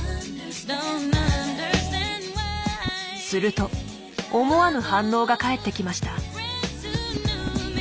すると思わぬ反応が返ってきました。